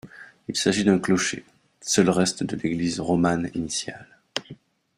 Il s'agit d'un clocher, seul reste de l'église romane initiale.